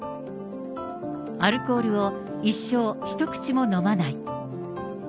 アルコールを一生一口も飲まない。